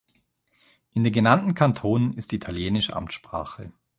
In den genannten Kantonen ist Italienisch Amtssprache.